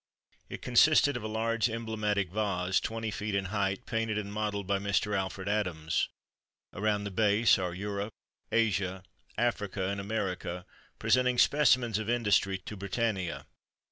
It consisted of a large emblematic vase, twenty feet in height, painted and modelled by Mr. Alfred Adams. Around the base are Europe, Asia, Africa, and America, presenting specimens of industry to Britannia.